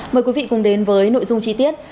mời quý vị cùng đến với nội dung chi tiết